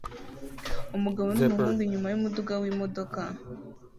Umugabo numuhungu inyuma yumuduga wimodoka